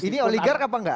ini oligark apa enggak